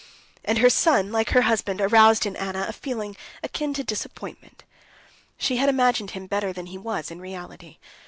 And her son, like her husband, aroused in Anna a feeling akin to disappointment. She had imagined him better than he was in reality.